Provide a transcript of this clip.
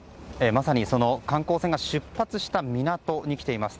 まさに観光船が出発した港に来ています。